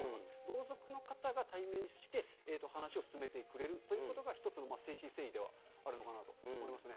同族の方が対面して話を進めてくれるということが一つの誠心誠意ではあるのかなと思いますね。